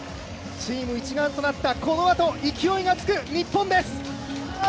チーム一丸となったこのあと勢いがつく日本です。